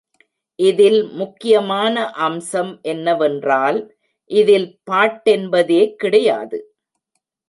இதில் முக்கியமான அம்சம் என்னவென்றால், இதில் பாட்டென்பதே கிடையாது.